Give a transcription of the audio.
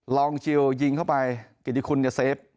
ลองชิลยิงเข้าไปกิติคุณอย่าเซฟ